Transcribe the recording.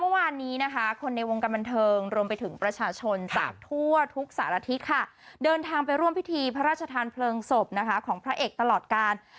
เมื่อวานนี้นะคะคนในวงการบันเทิงรวมไปถึงประชาชนจากทั่วทุกสารทิศค่ะเดินทางไปร่วมพิธีพระราชทานเพลิงศพนะคะของพระเอกตลอดการ